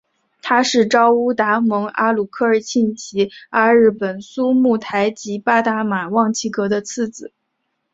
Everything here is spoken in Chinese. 他是昭乌达盟阿鲁科尔沁旗阿日本苏木台吉巴达玛旺其格的次子。